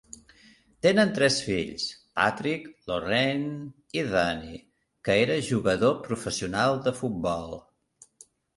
Tenen tres fills, Patrick, Lorraine i Danny, que era jugador professional de futbol.